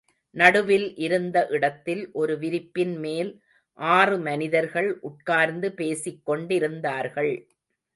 நடுவில் இருந்த இடத்தில் ஒரு விரிப்பின் மேல் ஆறு மனிதர்கள் உட்கார்ந்து பேசிக் கொண்டிருந்தார்கள்.